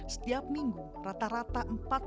setiap minggu rata rata empat puluh orang